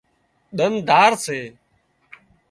ۮنڌار سي